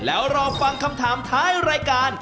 แล้วรอฟังคำถามท้ายรายการ